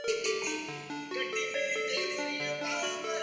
دوسرا women cricket one day West Indies نےپاکستان کوہرادیا